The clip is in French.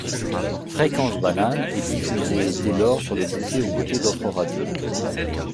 Fréquence Banane est diffusée dès lors sur le bouquet aux côtés d'autres radios.